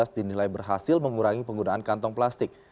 dinilai berhasil mengurangi penggunaan kantong plastik